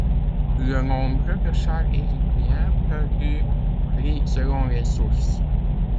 Le nombre de chars égyptiens perdus varie selon les sources.